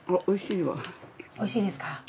おいしいですか。